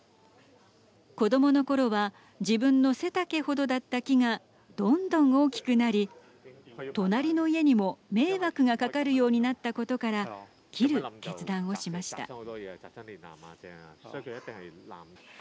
子どものころは自分の背丈ほどだった木がどんどん大きくなり隣の家にも迷惑がかかるようになったことから切る決断をしました。